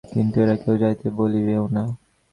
কিন্তু এরা কেউ যাইতে বলিবেও না।